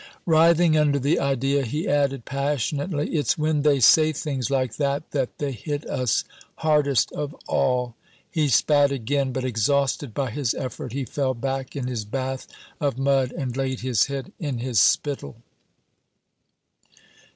Writhing under the idea, he added passionately, "It's when they say things like that that they hit us hardest of all!" He spat again, but exhausted by his effort he fell back in his bath of mud, and laid his head in his spittle.